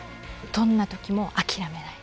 どんな時も諦めない。